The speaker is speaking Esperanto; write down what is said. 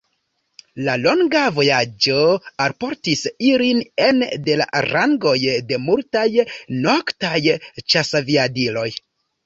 La longa vojaĝo alportis ilin ene de la rangoj de multaj noktaj ĉasaviadiloj.